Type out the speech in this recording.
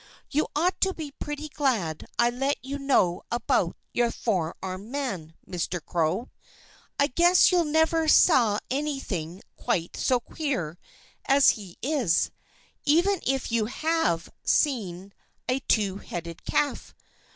You ought to be pretty glad I let you know about the four armed man, Mr. Crow. I guess you never saw anything quite so queer as he is, even if you have seen a two headed calf."